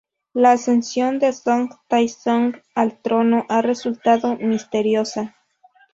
La ascensión de Song Taizong al trono ha resultado misteriosa.